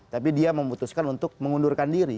tapi dia memutuskan untuk mengundurkan diri